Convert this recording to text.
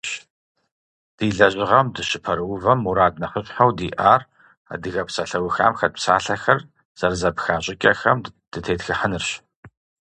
Ди лэжьыгъэм дыщыпэрыувэм мурад нэхъыщхьэу диӏар адыгэ псалъэухам хэт псалъэхэр зэрызэпха щӏыкӏэхэм дытетхыхьынырщ.